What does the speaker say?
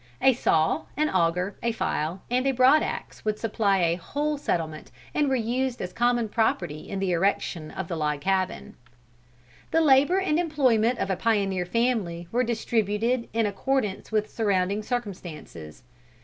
A saw, an auger, a file and a broad axe would supply a whole settlement, and were used as common property in the erection of the log cabin. "The labor and employment of a pioneer family were distributed in accordance with surrounding circumstances.